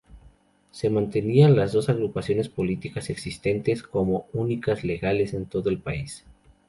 Se mantenían las dos agrupaciones políticas existentes como únicas legales en todo el país.